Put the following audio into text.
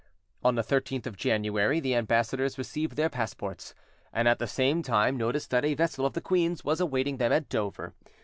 On the 13th of January the ambassadors received their passports, and at the same time notice that a vessel of the queen's was awaiting them at Dover.